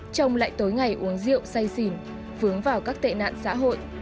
chồng lại tối ngày uống rượu say xỉn vướng vào các tệ nạn xã hội